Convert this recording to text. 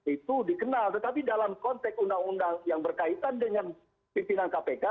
itu dikenal tetapi dalam konteks undang undang yang berkaitan dengan pimpinan kpk